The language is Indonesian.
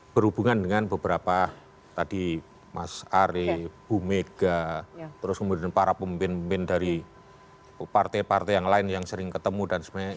berhubungan dengan beberapa tadi mas ari bu mega terus kemudian para pemimpin pemimpin dari partai partai yang lain yang sering ketemu dan sebagainya